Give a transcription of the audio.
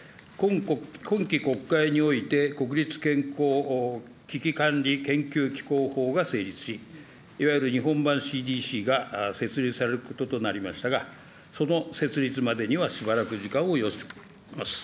今期国会において国立健康危機管理研究機構法が成立し、いわゆる日本版ＣＤＣが設立されることとなりましたが、その設立までにはしばらく時間を要します。